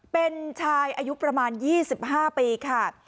เป็นชายอายุประมาณ๒๕ปีค่ะ